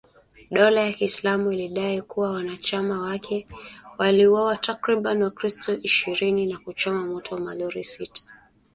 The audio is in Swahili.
Dola ya Kiislamu ilidai kuwa wanachama wake waliwauwa takribani wakristo ishirini na kuchoma moto malori sita katika shambulizi hilo kwa kutumia bunduki za rashasha